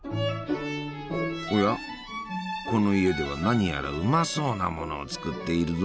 おやこの家では何やらうまそうなものを作っているぞ。